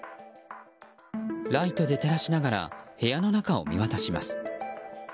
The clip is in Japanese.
ライトで照らしながら部屋の中を見渡します。